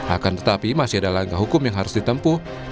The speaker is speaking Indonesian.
akan tetapi masih ada langkah hukum yang harus ditempuh